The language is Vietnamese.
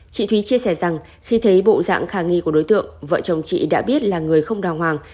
chị thúy chia sẻ rằng khi thấy bộ dạng khả nghi của đối tượng vợ chồng chị đã biết là người không đà hoàng